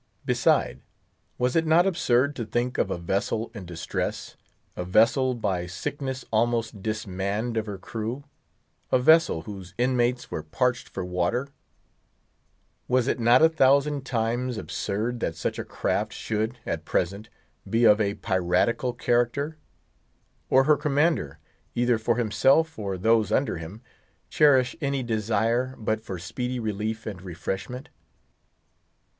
Beside, was it not absurd to think of a vessel in distress—a vessel by sickness almost dismanned of her crew—a vessel whose inmates were parched for water—was it not a thousand times absurd that such a craft should, at present, be of a piratical character; or her commander, either for himself or those under him, cherish any desire but for speedy relief and refreshment?